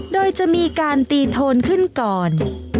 โดยจะมีการตีโทนขึ้นก่อน